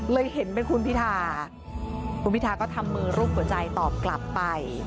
เห็นเป็นคุณพิธาคุณพิทาก็ทำมือรูปหัวใจตอบกลับไป